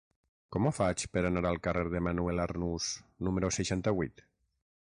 Com ho faig per anar al carrer de Manuel Arnús número seixanta-vuit?